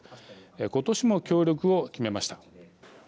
今年も協力を決めました。